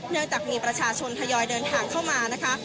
เนื่องจากมีประชาชนทยอยเดินทางเข้ามานะคะ